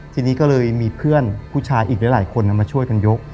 ทีนี้ก็เลยมีเพื่อนผู้ชายอีกหลายคนมาช่วยกันยก